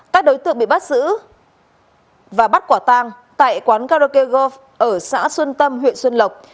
các đối tượng bị bắt giữ và bắt quả tang tại quán karaoke gov ở xã xuân tâm huyện xuân lộc